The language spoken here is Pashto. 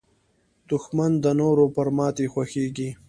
دښمن د نورو پر ماتې خوښېږي